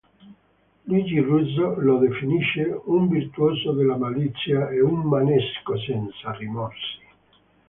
Luigi Russo lo definisce "un virtuoso della malizia e un manesco senza rimorsi".